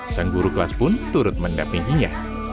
sang guru kelas pun turut mendapinginya